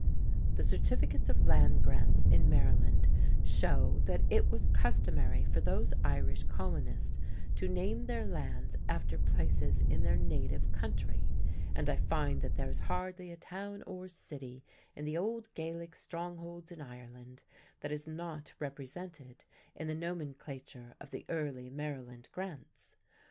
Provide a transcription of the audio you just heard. The "Certificates of Land Grants" in Maryland show that it was customary for those Irish colonists to name their lands after places in their native country, and I find that there is hardly a town or city in the old Gaelic strongholds in Ireland that is not represented in the nomenclature of the early Maryland grants.